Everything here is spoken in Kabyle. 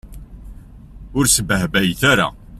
Ur sbehbayet ara.